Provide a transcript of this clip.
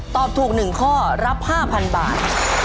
ตอบถูก๑ข้อรับ๕๐๐๐บาท